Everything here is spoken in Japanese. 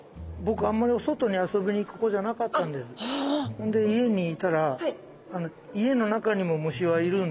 ほんで家にいたら家の中にも虫はいるんです。